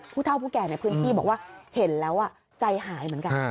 ผู้เท่าผู้แก่ในพื้นที่บอกว่าเห็นแล้วใจหายเหมือนกัน